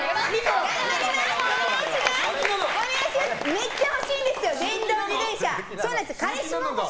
めっちゃ欲しいんです電動自転車。